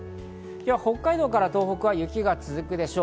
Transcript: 今日は北海道から東北は雪が続くでしょう。